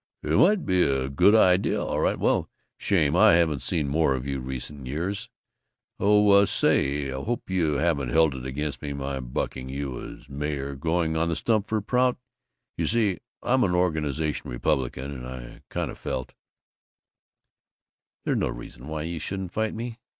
"Yuh, might be good idea, all right. Well Shame I haven't seen more of you, recent years. Oh, say, hope you haven't held it against me, my bucking you as mayor, going on the stump for Prout. You see, I'm an organization Republican, and I kind of felt " "There's no reason why you shouldn't fight me.